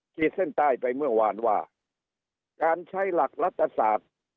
ขีดเส้นใต้ไปเมื่อวานว่าการใช้หลักรัฐศาสตร์